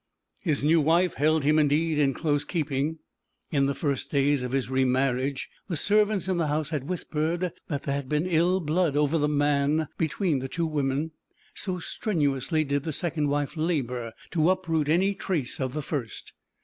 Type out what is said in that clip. His new wife held him indeed in close keeping. In the first days of his remarriage the servants in the house had whispered that there had been ill blood over the man between the two women, so strenuously did the second wife labour to uproot any trace of the first.